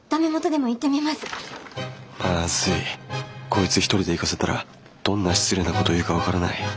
こいつ一人で行かせたらどんな失礼なこと言うか分からない。